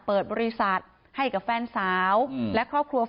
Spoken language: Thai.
เพราะไม่มีเงินไปกินหรูอยู่สบายแบบสร้างภาพ